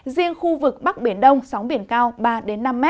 riêng khu vực bắc biển đông sóng biển cao ba năm m